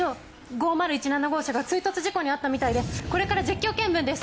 ５０１７号車が追突事故に遭ったみたいでこれから実況見分です。